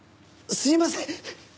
すいません。